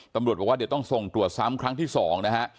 ตำรวจบอกว่าเดี๋ยวต้องส่งตรวจซ้ำครั้งที่๒นะฮะ